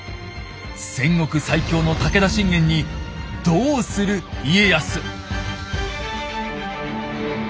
戦国最強の武田信玄にどうする家康⁉